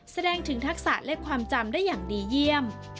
แสดงถึงทักษะและความจำได้อย่างดีเยี่ยม